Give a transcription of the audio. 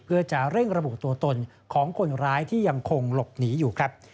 เพื่อจะเร่งระบุตัวตนของคนร้ายที่ยังคงหลบหนีอยู่ครับ